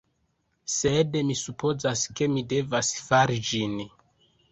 Sed mi supozas ke mi devas fari ĝin!